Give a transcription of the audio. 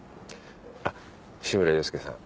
あっ志村陽介さん。